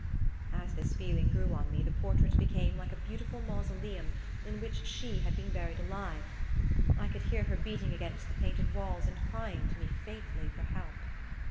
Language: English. As this feeling grew on me the portrait became like a beautiful mausoleum in which she had been buried alive: I could hear her beating against the painted walls and crying to me faintly for help....